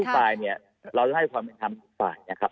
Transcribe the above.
ทุกปลายเราจะให้ความทำทุกปลายนะครับ